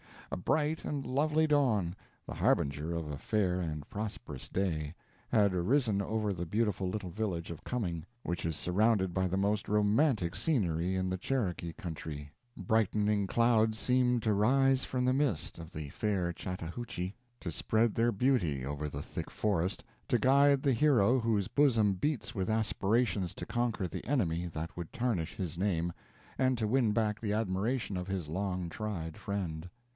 A bright and lovely dawn, the harbinger of a fair and prosperous day, had arisen over the beautiful little village of Cumming, which is surrounded by the most romantic scenery in the Cherokee country. Brightening clouds seemed to rise from the mist of the fair Chattahoochee, to spread their beauty over the thick forest, to guide the hero whose bosom beats with aspirations to conquer the enemy that would tarnish his name, and to win back the admiration of his long tried friend.